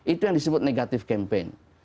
itu yang disebut negatif campaign